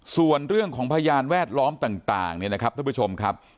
ส่วนเรื่องของพยานแวดล้อมต่างเนี่ยนะครับท่านผู้ชมครับ